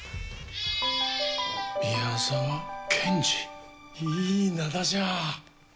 宮沢賢治、いい名じゃ。